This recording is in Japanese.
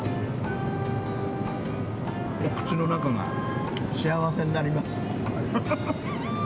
お口の中が幸せになります。